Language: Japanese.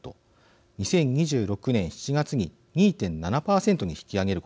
２０２６年７月に２．７％に引き上げることを決めました。